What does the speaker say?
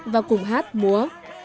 và cùng hát múa